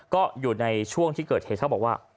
ก็อยู่ในช่วงที่เกิดเหตุเขาบอกว่า